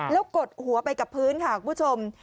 แล้วกดหัวไปกับพื้นค่ะคุณผู้ชม